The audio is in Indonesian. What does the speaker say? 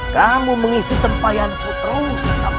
kamu mengisi tempayan putrung